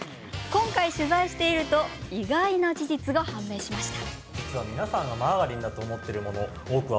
今回、取材していると意外な事実が判明しました。